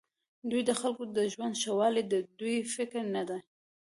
دوی د خلکو د ژوند ښهوالی د دوی فکر نه دی.